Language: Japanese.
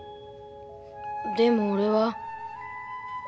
でも俺は。